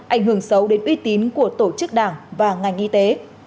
ảnh hưởng xấu đến uy tín của tổ chức đảng và ngành y tế